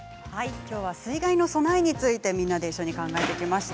きょうは水害の備えについてみんなで一緒に考えていきました。